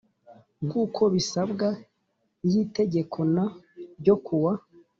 Nkuko bisabwa y itegeko n ryo kuwa